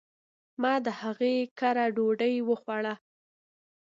ما د هغي کره ډوډي وخوړه .